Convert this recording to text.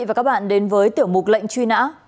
và các bạn đến với tiểu mục lệnh truy nã